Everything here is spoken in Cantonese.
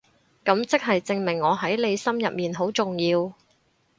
噉即係證明我喺你心入面好重要